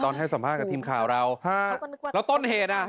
ให้สัมภาษณ์กับทีมข่าวเราแล้วต้นเหตุอ่ะ